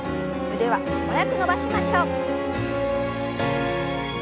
腕は素早く伸ばしましょう。